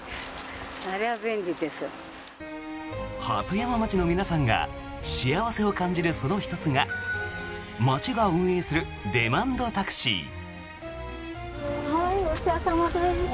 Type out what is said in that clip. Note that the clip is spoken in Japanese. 鳩山町の皆さんが幸せを感じるその１つが町が運営するデマンドタクシー。